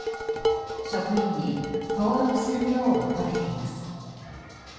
職員に、登録するよう求めています。